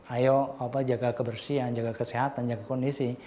ayo jaga kebersihan jaga kesehatan jaga kondisi